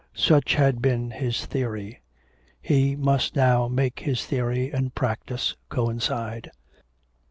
Such had been his theory; he must now make his theory and practice coincide.